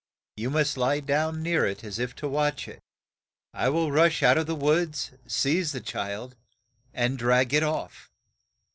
You must lie down near it as if to watch it. I will rush out of the woods, seize the child, 140 OLD SULTAN and drag it off.